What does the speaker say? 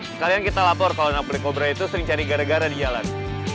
sekalian kita lapor kalau anak beli kobra itu sering cari gara gara di jalan